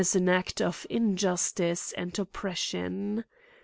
\ an act of injustice and oppression.